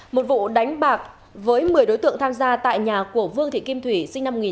một vụ đánh bạc với một mươi đối tượng tham gia tại nhà của vương thị kim thủy sinh năm một nghìn chín trăm tám mươi